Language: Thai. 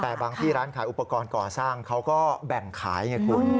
แต่บางที่ร้านขายอุปกรณ์ก่อสร้างเขาก็แบ่งขายไงคุณ